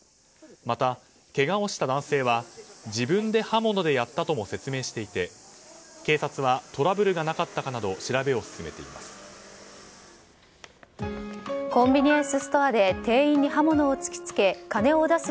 また、けがをした男性は自分で刃物でやったとも説明していて警察はトラブルがなかったかなど調べを進めています。